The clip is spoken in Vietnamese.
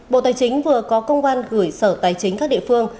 bộ tài chính vừa có công an gửi sở tài chính các địa phương